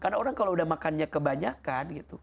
karena orang kalau sudah makannya kebanyakan